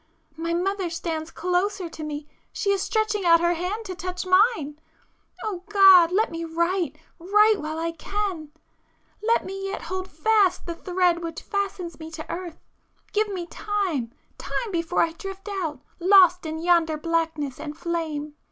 ... My mother stands closer to me, ... she is stretching out her hand to touch mine! ·········· Oh God! ... Let me write—write—while I can! Let me yet hold fast the thread which fastens me to earth,—give me time—time before I drift out, lost in yonder blackness and flame!